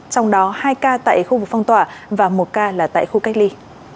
trong đó hai ca tại khu vực phong tỏa và một ca là tại khu cách ly